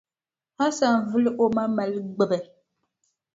Hasan vili o ma mali gbubi.